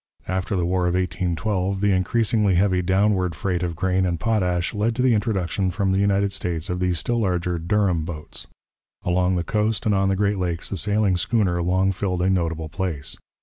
After the War of 1812 the increasingly heavy downward freight of grain and potash led to the introduction from the United States of the still larger Durham boats. Along the coast and on the Great Lakes the sailing schooner long filled a notable place.